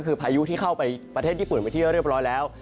คือพายุที่เข้าไปประเทศญี่ปุ่นไปที่เรียบร้อยแล้ว